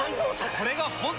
これが本当の。